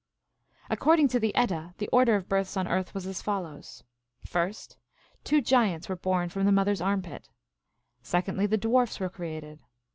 According to the Edda, the order of births on earth was as follows : First, two giants were born from the mother s armpit. Secondly, the dwarfs were created.